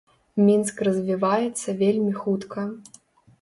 Мінск развіваецца вельмі хутка.